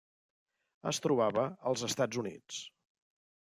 Es trobava als Estats Units.